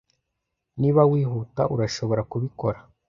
Niba wihuta, urashobora kubikora.